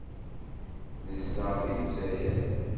Nezdeɣ deg Lezzayer.